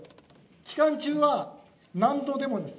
期間中は何度でもです。